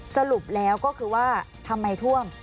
สรุปแล้วก็คือว่าทำไมท่วม